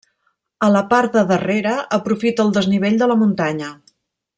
A la part de darrere aprofita el desnivell de la muntanya.